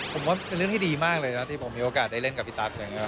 ผมว่าเป็นเรื่องที่ดีมากเลยนะที่ผมมีโอกาสได้เล่นกับพี่ตั๊กอย่างนี้